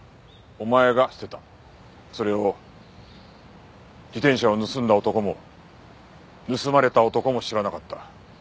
それを自転車を盗んだ男も盗まれた男も知らなかった。